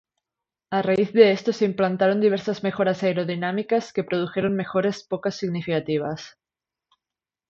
A raíz de esto se implantaron diversas mejoras aerodinámicas, que produjeron mejoras poco significativas.